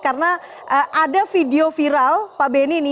karena ada video viral pak benny ini